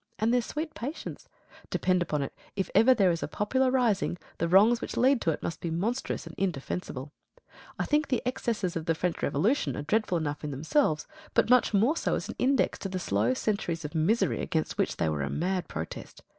And their sweet patience! Depend upon it, if ever there is a popular rising, the wrongs which lead to it must be monstrous and indefensible. I think the excesses of the French Revolution are dreadful enough in themselves, but much more so as an index to the slow centuries of misery against which they were a mad protest.